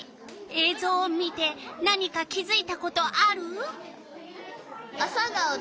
えいぞうを見て何か気づいたことある？